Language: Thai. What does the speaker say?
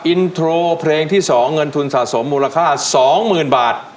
อินโทรเพลงที่๒เงินทุนสะสมมูลค่า๒๐๐๐บาท